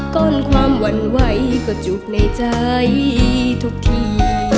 ก่อนความหวั่นไหวก็จุกในใจทุกที